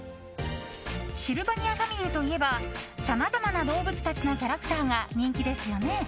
シルバニアファミリーといえばさまざまな動物たちのキャラクターが人気ですよね。